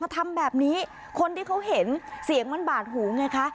ทำแบบนี้คนที่เขาเห็นเสียงมันบาดหูไงคะ